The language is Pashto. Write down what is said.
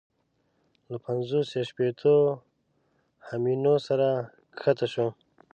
له پنځوس یا شپېتو همیونو سره کښته شو.